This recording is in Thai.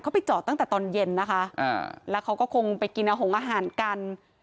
เขาไปจอดตั้งแต่ตอนเย็นนะคะอ่าแล้วเขาก็คงไปกินอาหารกัน